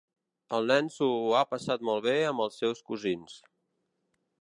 El nen s'ho ha passat molt bé amb els seus cosins.